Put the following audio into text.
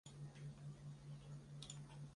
他的大学教授也是一位令他投身政治的人物。